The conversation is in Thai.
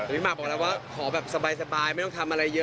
นี่หมากบอกแล้วว่าขอแบบสบายไม่ต้องทำอะไรเยอะ